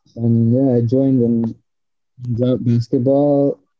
dan ya saya sertai dan mencoba basketball